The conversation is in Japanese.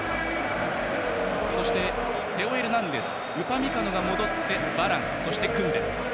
そして、テオ・エルナンデスウパミカノが戻って、バランそしてクンデ。